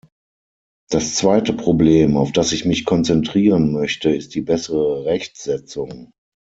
Das zweite Problem, auf das ich mich konzentrieren möchte, ist die bessere Rechtsetzung.